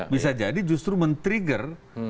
bisa jadi justru men trigger